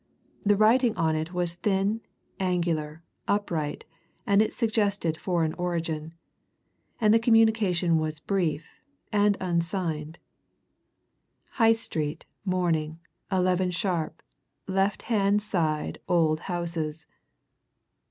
The writing on it was thin, angular, upright, and it suggested foreign origin. And the communication was brief and unsigned "High Street morning eleven sharp left hand side old houses."